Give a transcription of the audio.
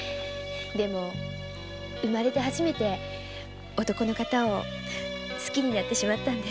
でも生まれて初めて男の方を好きになってしまったのです。